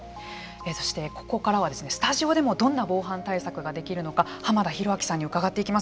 そして、ここからはスタジオでもどんな防犯対策ができるのか濱田宏彰さんに伺っていきます。